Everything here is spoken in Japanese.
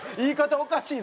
おかしいぞ。